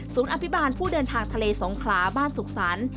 อภิบาลผู้เดินทางทะเลสงขลาบ้านสุขสรรค์